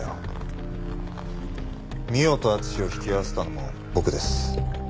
美緒と敦を引き合わせたのも僕です。